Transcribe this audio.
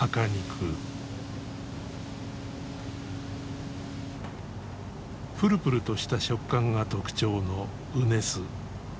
プルプルとした食感が特徴の畝須。